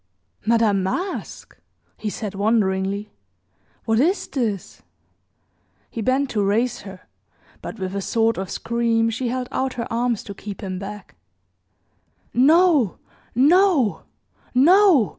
"Madame Masque!" he said, wonderingly; "what is this?" He bent to raise her; but, with a sort of scream she held out her arms to keep him back. "No, no, no!